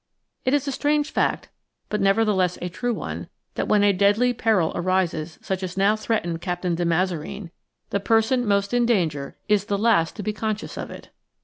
It is a strange fact, but nevertheless a true one, that when a deadly peril arises such as now threatened Captain de Mazareen, the person most in danger is the last to be conscious of it.